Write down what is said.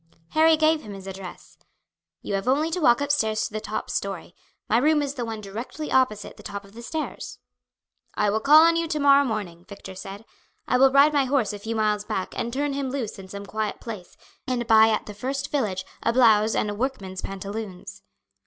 Harry gave him his address. "You have only to walk upstairs to the top story. My room is the one directly opposite the top of the stairs." "I will call on you to morrow morning," Victor said. "I will ride my horse a few miles back and turn him loose in some quiet place, and buy at the first village a blouse and workman's pantaloons."